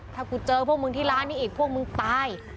ถ้ากูเจอพวกมึงที่ร้านนี้อีกพวกมึงตาย